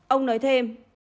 ông nói thêm